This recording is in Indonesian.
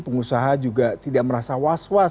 pengusaha juga tidak merasa was was